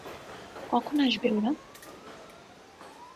কখন আসবে ওরা?